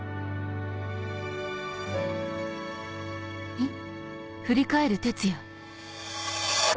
えっ？